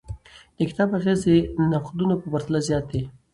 د کتاب اغیز د نقدونو په پرتله زیات دی.